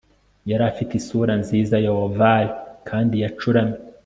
yari afite isura nziza ya oval kandi yacuramye